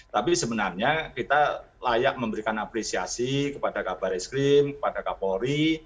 tapi sebenarnya kita layak memberikan apresiasi kepada kabar eskrim kepada kapolri